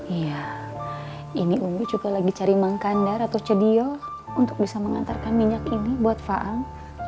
iya ini ubi juga lagi cari mangkandar atau cedio untuk bisa mengantarkan minyak ini buat faang